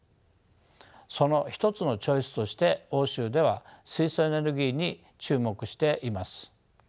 その一つのチョイスとして欧州では水素エネルギーに注目しています。